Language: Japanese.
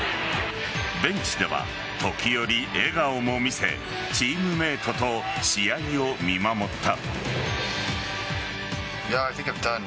ベンチでは時折、笑顔も見せチームメートと試合を見守った。